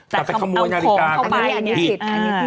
แต่ไปขโมยนาฬิกาอันนี้ผิด